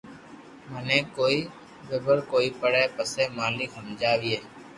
مني ڪوئي زبر ڪوئي پري پسي مالڪ ھمجاوئي